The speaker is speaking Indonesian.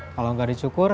kalau gak dicukur